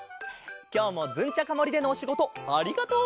きょうもズンチャカもりでのおしごとありがとう！